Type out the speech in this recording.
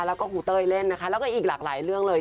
แล้วก็ครูเต้ยเล่นนะคะแล้วก็อีกหลากหลายเรื่องเลย